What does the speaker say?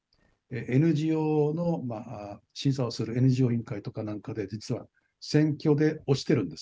ＮＧＯの審査をするＮＧＯ委員会とかなんかで実は選挙で落ちているんです。